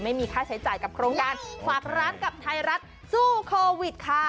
ไม่มีค่าใช้จ่ายกับโครงการฝากร้านกับไทยรัฐสู้โควิดค่ะ